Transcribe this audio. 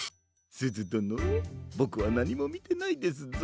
すずどのボクはなにもみてないですぞ。